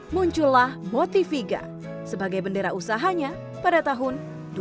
muncullah motiviga sebagai bendera usahanya pada tahun dua ribu